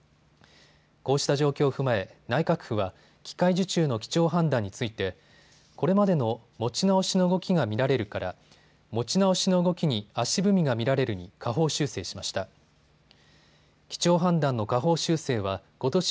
こうした状況を踏まえ内閣府は機械受注の基調判断についてこれまでの、持ち直しの動きが見られるから持ち直しの動きに足踏みが見られるに下方修正しました。